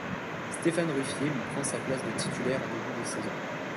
Stéphane Ruffier lui prend sa place de titulaire en début de saison.